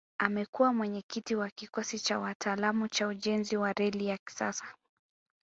Amekua mwenyekiti wa kikosi cha wataalamu cha ujenzi wa reli ya kisasa